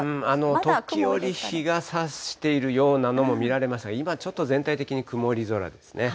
時折日がさしているようなのも見られますが、今ちょっと全体的に曇り空ですね。